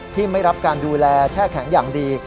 ไม่รับการดูแลแช่แข็งอย่างดี